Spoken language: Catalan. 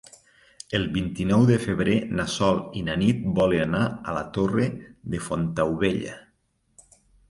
El vint-i-nou de febrer na Sol i na Nit volen anar a la Torre de Fontaubella.